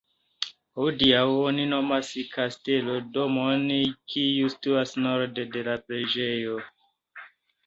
Hodiaŭ oni nomas "Kastelo" domon, kiu situas norde de la preĝejo.